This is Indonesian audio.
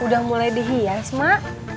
udah mulai dihias mak